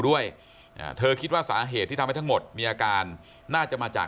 ด้วยเธอคิดว่าสาเหตุที่ทำให้ทั้งหมดมีอาการน่าจะมาจาก